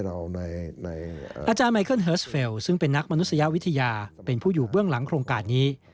อาจารย์ไมเคิลเฮิร์สเฟลซึ่งเป็นนักมนุษยวิทยาเป็นผู้อยู่เบื้องหลังโครงการนี้